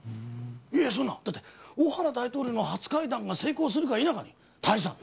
いやそんなだってオハラ大統領の初会談が成功するか否かに泰さん。